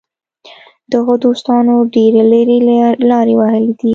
دغو دوستانو ډېرې لرې لارې وهلې دي.